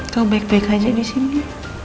kamu baik baik saja disini